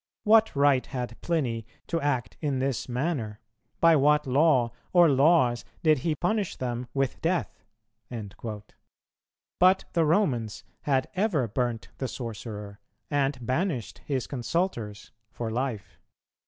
What right had Pliny to act in this manner? by what law or laws did he punish [them] with death?" but the Romans had ever burnt the sorcerer, and banished his consulters for life.